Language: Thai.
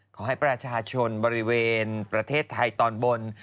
ขอให้ประชาชนบริเวณประเทศไทยตอนบน